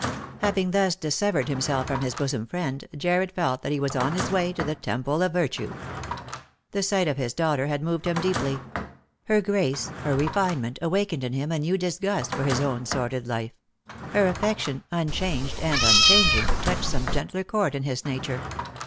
Having thus dissevered himself from his bosom friend, Jarred felt that he was on his way to the Temple of Virtue. The sight of his daughter had moved him deeply. Her grace, her refine ment, awakened in him a new disgust for his own sordid life ; her affection, unchanged and unchanging, touched some gentler chord in his nature.